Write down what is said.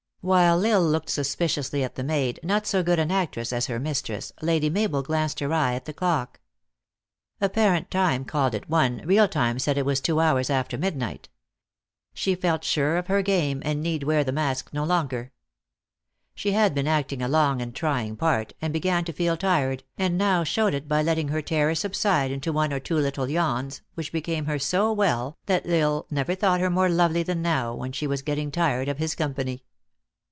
While L Isle looked suspiciously at the rnaid, not so good an actress as her mistress, Lady Mabel glanced her eye at the clock. Apparent time called it one, real time said it was two hours after midnight. She felt sure of her game, and need wear the mask no longer. She had been acting a long and trying part, and began to feel tired, and now showed it by letting 374 THE ACTRESS IN HIGH LIFE. her terror subside into one or two little yawns, which became her so well, that L Isle never thought her more lovely than now when she was getting tired of his company.